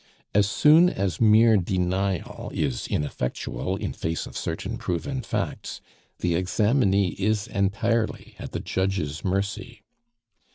As soon as mere denial is ineffectual in face of certain proven facts, the examinee is entirely at the judge's mercy.